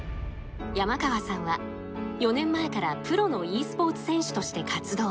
山川さんは４年前からプロのｅスポーツ選手として活動。